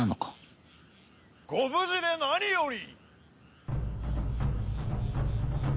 ご無事で何より！